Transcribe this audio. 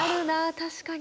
確かに。